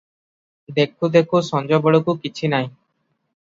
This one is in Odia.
ଦେଖୁଁ ଦେଖୁଁ ସଞ୍ଜବେଳକୁ କିଛି ନାହିଁ ।